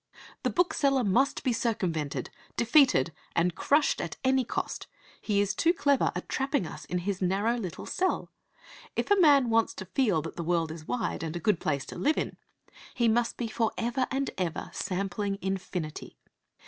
The bookseller must be circumvented, defeated, and crushed at any cost. He is too clever at trapping us in his narrow little cell. If a man wants to feel that the world is wide, and a good place to live in, he must be for ever and for ever sampling infinity.